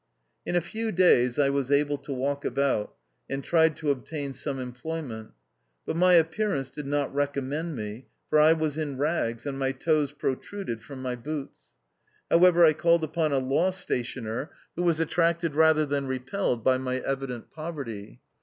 In a few days I was able to walk about, and tried to obtain some employment. But my appearance did not recommend me, for I was in rags, and my toes protruded from my boots. However, I called upon a law stationer, who was attracted rather than re pelled by my evident poverty.